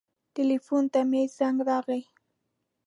ټیلیفون ته مې زنګ راغی.